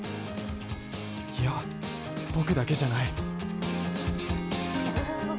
いやぼくだけじゃない。